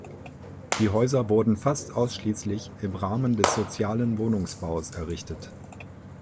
Die Häuser wurden fast ausschließlich im Rahmen des sozialen Wohnungsbaus errichtet.